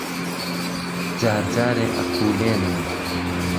جار جارێ ئەقوولێنن